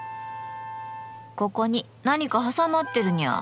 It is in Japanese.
ここに何か挟まってるニャー。